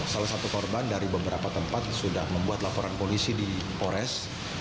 salah satu korban dari beberapa tempat sudah membuat laporan polisi di pores